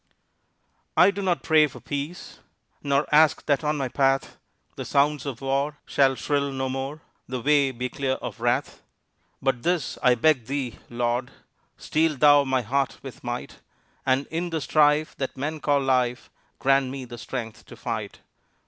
I do not pray for peace, Nor ask that on my path The sounds of war shall shrill no more, The way be clear of wrath. But this I beg thee, Lord, Steel Thou my heart with might, And in the strife that men call life, Grant me the strength to fight.